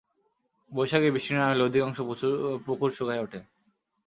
বৈশাখে বৃষ্টি না হইলে অধিকাংশ পুকুর শুকাইয়া ওঠে।